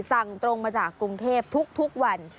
ส่งตรงมาจากกรุงเทพทุกวัน